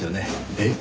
えっ？